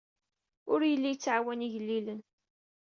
Ur yelli yettɛawan igellilen.